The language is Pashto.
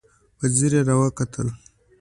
په ځير يې راکتل.